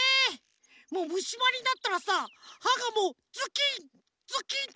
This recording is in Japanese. もうむしばになったらさはがもうズキンズキンっていたくなるでしょ。